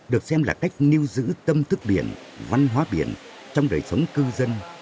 được xem là cách nu giữ tâm thức biển văn hóa biển trong đời sống cư dân